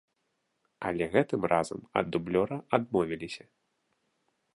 Але гэтым разам ад дублёра адмовіліся.